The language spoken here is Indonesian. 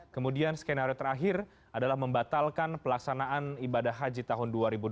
kemudian skenario terakhir adalah membatalkan pelaksanaan ibadah haji tahun dua ribu dua puluh